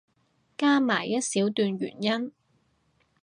加埋一小段原因